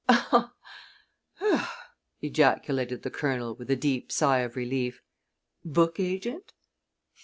"Ha!" ejaculated the Colonel, with a deep sigh of relief. "Book agent?"